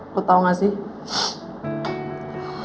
gue tau gak sih